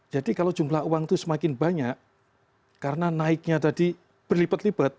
jadi kalau jumlah uang itu semakin banyak karena naiknya tadi berlipat lipat